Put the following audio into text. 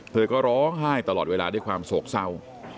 เธอก็ร้องไห้ตลอดเวลาด้วยความโศกเศร้า